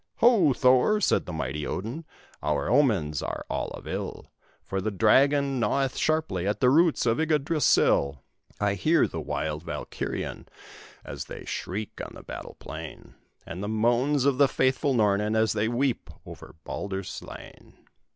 "Ho, Thor!" said the mighty Odin, "our omens are all of ill, For the dragon gnaweth sharply at the roots of Yggdrasill; I hear the wild Valkyrien, as they shriek on the battle plain, And the moans of the faithful Nornen, as they weep over Baldur slain.